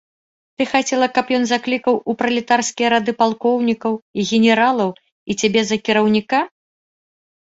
Ты хацела, каб ён заклікаў у пралетарскія рады палкоўнікаў, генералаў і цябе за кіраўніка?